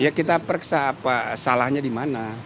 ya kita periksa apa salahnya dimana